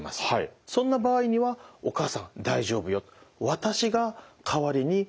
そんな場合には「お母さん大丈夫よ」。